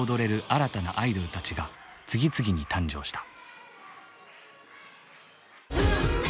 新たなアイドルたちが次々に誕生した。